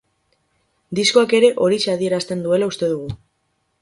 Diskoak ere horixe adierazten duela uste dugu.